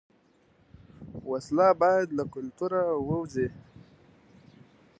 وسله باید له کلتوره ووځي